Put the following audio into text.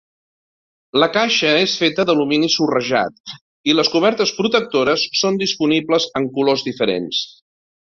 La caixa és feta d'alumini sorrejat, i les cobertes protectores són disponibles en colors diferents.